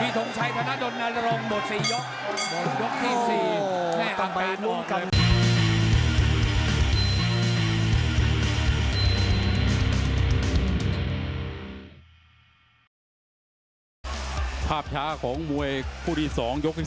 มีถงชัยธนาดนนารงหมด๔ยก